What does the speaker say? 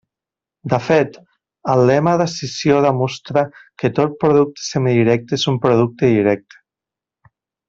De fet, el lema d'escissió demostra que tot producte semidirecte és un producte directe.